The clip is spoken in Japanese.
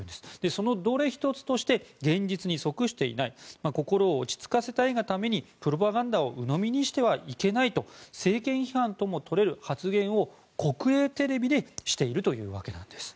その、どれ１つとして現実に即していない心を落ち着かせたいがためにプロパガンダをうのみにしてはいけないと政権批判とも取れる発言を国営テレビでしているというわけです。